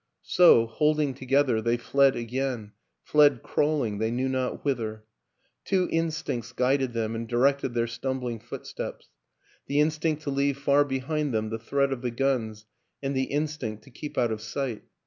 So, holding together, they fled again: fled crawling, they knew not whither. Two instincts guided them and directed their stumbling footsteps: the instinct to leave far be hind them the threat of the guns and the instinct to keep out of sight.